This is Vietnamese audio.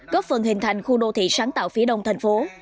góp phần hình thành khu đô thị sáng tạo phía đông thành phố